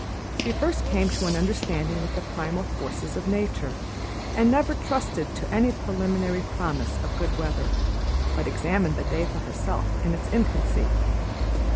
She first came to an understanding with the primal forces of nature, and never trusted to any preliminary promise of good weather, but examined the day for herself in its infancy.